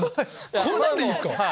こんなんでいいんすか⁉はい。